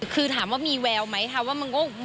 คือถามว่ามีแววไหมคะว่ามันก็